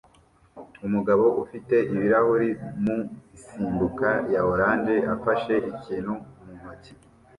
Umugabo ufite ibirahuri mu isimbuka ya orange afashe ikintu mu ntoki